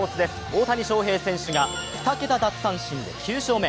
大谷翔平選手が２桁奪三振、９勝目。